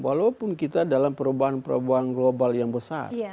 walaupun kita dalam perubahan perubahan global yang besar